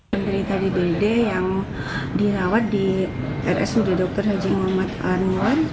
penderita dbd yang dirawat di rsud dr haji muhammad anwar